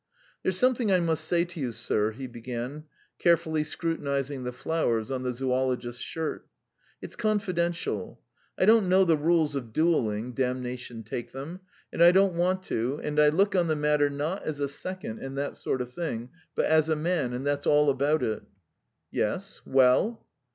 "There's something I must say to you, sir," he began, carefully scrutinising the flowers on the zoologist's shirt. "It's confidential. I don't know the rules of duelling, damnation take them, and I don't want to, and I look on the matter not as a second and that sort of thing, but as a man, and that's all about it." "Yes. Well?"